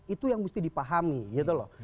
itu yang mesti dipahami gitu loh